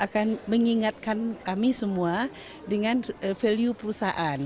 kami semua dengan value perusahaan